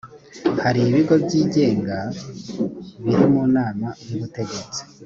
hari ibigo byigenga biri mu nama y’ubutegetsi